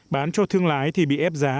bán cho thương lái thì bị ép giá